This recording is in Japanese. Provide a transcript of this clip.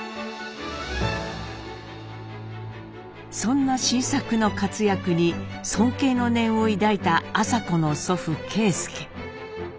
そんな新作の活躍に尊敬の念を抱いた麻子の祖父啓介。